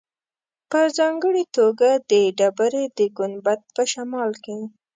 په ځانګړې توګه د ډبرې د ګنبد په شمال کې.